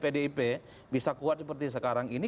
pdip bisa kuat seperti sekarang ini